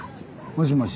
もしもし。